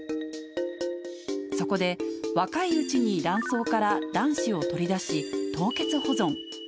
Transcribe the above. そこで、若いうちに卵巣から卵子を取り出し、凍結保存。